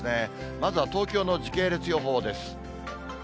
まずは東京の時系列予報です。